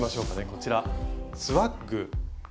こちら「スワッグ」。